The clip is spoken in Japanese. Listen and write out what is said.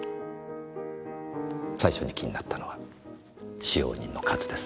最初に気になったのは使用人の数です。